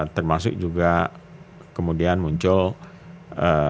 termasuk juga kemudian muncul ee